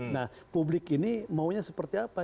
nah publik ini maunya seperti apa